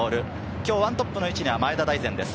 今日１トップの位置に前田大然です。